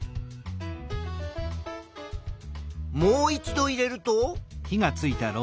もう一度入れると。